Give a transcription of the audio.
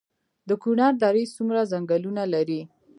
د کونړ درې څومره ځنګلونه لري؟